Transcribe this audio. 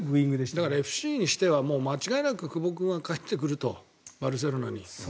だからＦＣにしては間違いなく久保君は帰ってくると、バルセロナに。